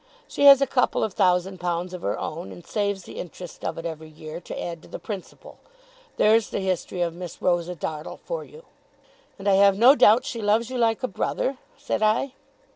She has a couple of thousand pounds of her own, and saves the interest of it every year, to add to the principal. There's the history of Miss Rosa Dartle for you.' 'And I have no doubt she loves you like a brother?' said I.